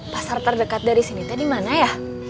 pasar terdekat dari sini teh dimana ya